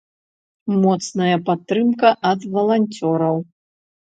Моцная падтрымка ад валанцёраў.